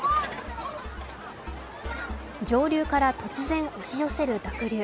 上流から突然、押し寄せる濁流。